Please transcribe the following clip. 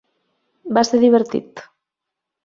Va ser divertit.